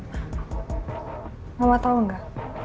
mama tahu gak